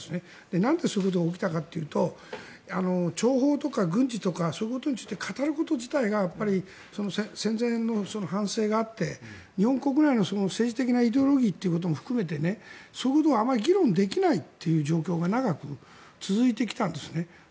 何でそういうことが起きたかというと諜報や軍事とかそういうことについて語ること自体が戦前の反省があって日本国内の政治的なイデオロギーも含めてそういうことがあまり議論できないという状況が長く続いてきたんですね。